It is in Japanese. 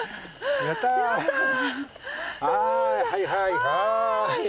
はいはいはい。